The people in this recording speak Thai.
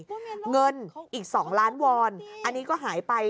เงินอีก๒ล้านวอนอันนี้ก็หายไป